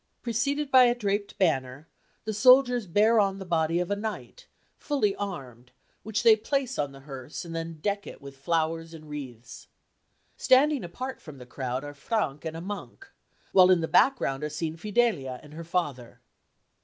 Preceded by a draped banner, the soldiers bear on the body of a knight, fully armed, which they place on the hearse and then deck it with flowers and wreaths. Standing apart from the crowd are Frank and a monk, while in the background are seen Fidelia and her father.